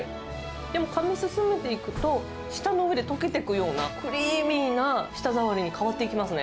でもかみ進めていくと、舌の上で溶けていくような、クリーミーな舌触りに変わっていきますね。